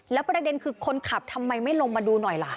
แล้วประเด็นคือคนขับทำไมไม่ลงมาดูหน่อยล่ะ